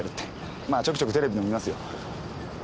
まあちょくちょくテレビでも見ますよ。